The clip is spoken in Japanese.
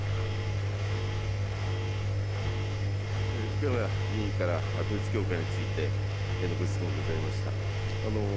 福山議員から統一教会についてのご質問ございました。